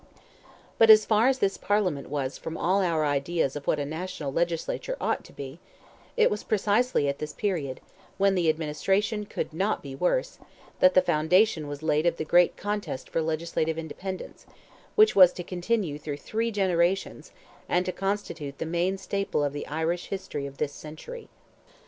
But far as this Parliament was from all our ideas of what a national legislature ought to be, it was precisely at this period, when the administration could not be worse, that the foundation was laid of the great contest for legislative independence, which was to continue through three generations, and to constitute the main staple of the Irish history of this century.